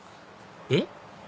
えっ？